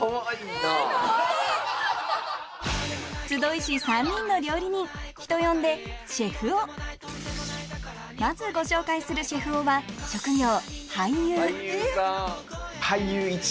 集いし３人の料理人人呼んでシェフ男まずご紹介するシェフ男は俳優いち。